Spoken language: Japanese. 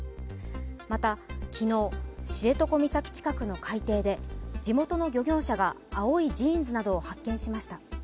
また昨日、知床岬近くの海底で、地元の漁業者が青いジーンズなどを発見しました。